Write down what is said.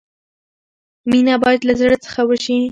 مینه باید لۀ زړۀ څخه وشي.